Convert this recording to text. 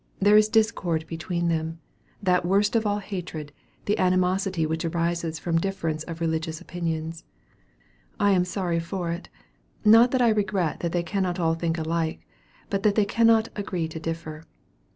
There is discord between them that worst of all hatred, the animosity which arises from difference of religious opinions. I am sorry for it; not that I regret that they cannot all think alike, but that they cannot "agree to differ."